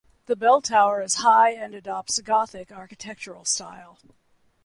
The bell tower is high and adopts Gothic architectural style.